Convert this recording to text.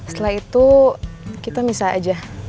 setelah itu kita misah aja